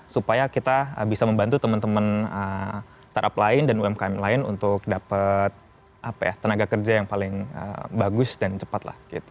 supaya kita bisa membantu teman teman startup lain dan umkm lain untuk dapat tenaga kerja yang paling bagus dan cepat lah